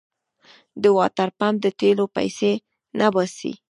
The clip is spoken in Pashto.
د واټرپمپ د تېلو پيسې نه باسي.